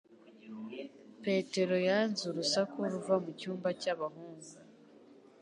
Petero yanze urusaku ruva mu cyumba cy'abahungu